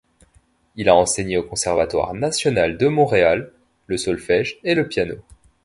Il a enseigné au Conservatoire national de Montréal, le solfège et le piano.